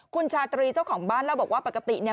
คุณชาตรีเจ้าของบ้านเล่าบอกว่าปกติเนี่ย